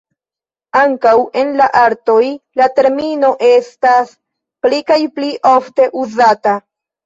Ankaŭ en la artoj, la termino estas pli kaj pli ofte uzata.